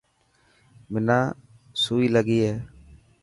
منا سوئي لگي هي.